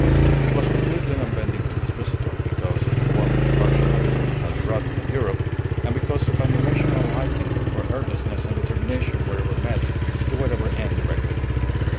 He was completely unbending to his visitor, because of the warm introduction the visitor had brought from Europe, and because of an irrational liking for earnestness and determination wherever met, to whatever end directed.